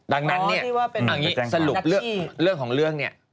ดังนั้นเนี่ยสรุปเรื่องของเรื่องเนี่ย